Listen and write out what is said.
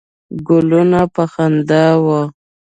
ګلونه په خندا وه.